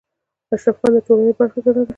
اشراف ځان د ټولنې برخه ګڼله.